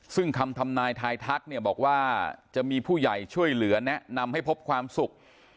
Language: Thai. ซึ่งคำทำนายทายทักเนี่ยบอกว่าจะมีผู้ใหญ่ช่วยเหลือแนะนำให้พบความสุข